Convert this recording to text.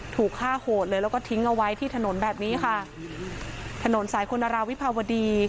ถูกฆ่าโหดเลยแล้วก็ทิ้งเอาไว้ที่ถนนแบบนี้ค่ะถนนสายคุณราวิภาวดี